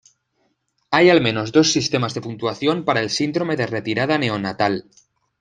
Hay al menos dos sistemas de puntuación para el síndrome de retirada neonatal.